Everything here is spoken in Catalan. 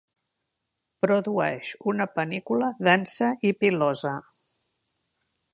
Produeix una panícula densa i pilosa.